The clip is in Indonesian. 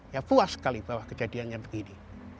ya puas sekali bahwa kejadiannya begini